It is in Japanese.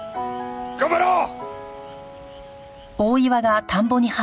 頑張ろう！